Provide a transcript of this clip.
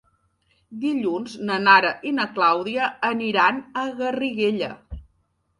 Dilluns na Nara i na Clàudia iran a Garriguella.